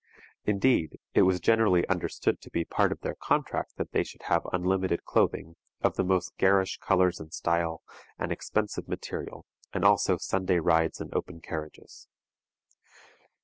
Indeed, it was generally understood to be part of their contract that they should have unlimited clothing, of the most garish colors and style, and expensive material, and also Sunday rides in open carriages.